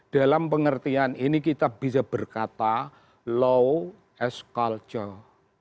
dalam pengertian ini kita bisa berkata law as culture